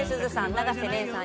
永瀬廉さん